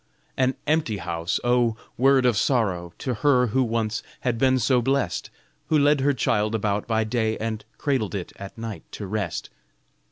An empty house! Oh, word of sorrow, To her who once had been so blest, Who led her child about by day And cradled it at night to rest.